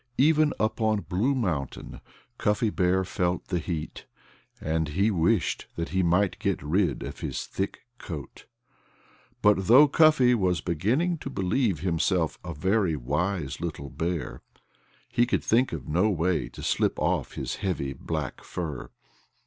Even up on Blue Mountain Cuffy Bear felt the heat. And he wished that he might get rid of his thick coat. But though Cuffy was beginning to believe himself a very wise little bear, he could think of no way to slip off his heavy black fur.